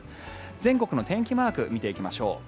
全国の天気マーク見ていきましょう。